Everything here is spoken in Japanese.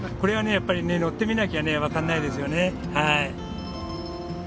やっぱりね乗ってみなきゃね分かんないですよね。